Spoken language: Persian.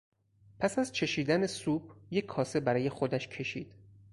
پس از چشیدن سوپ یک کاسه برای خودش کشید.